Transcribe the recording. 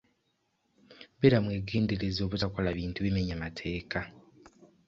Beera mwegendereza obutakola bintu bimenya mateeka.